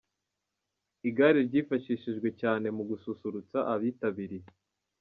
Igare ryifashishijwe cyane mu gususurutsa abitabiriye.